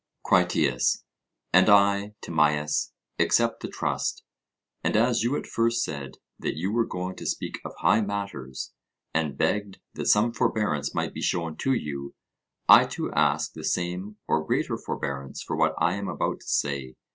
CRITIAS: And I, Timaeus, accept the trust, and as you at first said that you were going to speak of high matters, and begged that some forbearance might be shown to you, I too ask the same or greater forbearance for what I am about to say.